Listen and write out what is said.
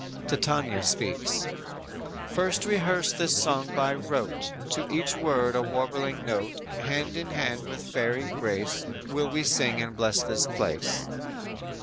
"_ Titania speaks: _"First rehearse this song by rote; To each word a warbling note, Hand in hand with fairy grace Will we sing and bless this place."